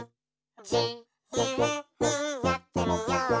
「じゆうにやってみよう」